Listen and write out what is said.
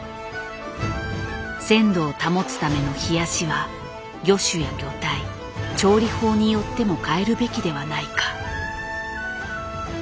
鮮度を保つための冷やしは魚種や魚体調理法によっても変えるべきではないか。